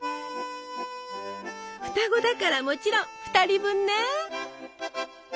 双子だからもちろん２人分ね！